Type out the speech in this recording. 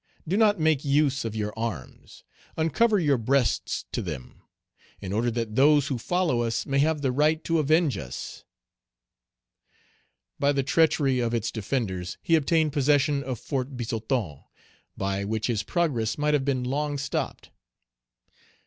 Do not make use of your arms; uncover your breasts to them, in order that those who follow us may have the right to avenge us." By the treachery of its defenders, he obtained possession of Fort Bizoton, by which his progress might have been long stopped.